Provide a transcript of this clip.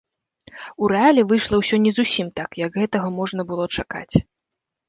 У рэале выйшла ўсё не зусім так, як гэтага можна было чакаць.